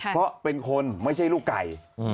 เพราะเป็นคนไม่ใช่ลูกไก่